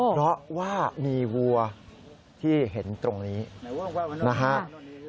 เพราะว่ามีวัวที่เห็นตรงนี้นะครับ